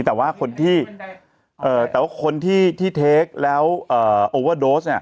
แต่ว่าคนที่เอ่อแต่ว่าคนที่ที่เทคแล้วอ่าโอเวอร์โดสต์เนี่ย